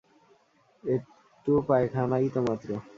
একটু পায়খানাই তো মাত্র।